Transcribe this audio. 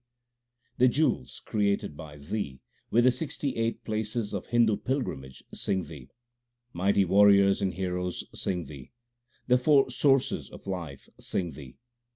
THE RAHIRAS 251 The jewels created by Thee with the sixty eight places of Hindu pilgrimage sing Thee. Mighty warriors and heroes sing Thee ; the four sources of life sing Thee.